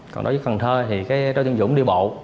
còn đối với cần thơ thì đối tượng dũng đi bộ